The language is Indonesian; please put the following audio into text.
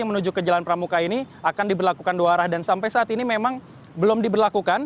yang menuju ke jalan pramuka ini akan diberlakukan dua arah dan sampai saat ini memang belum diberlakukan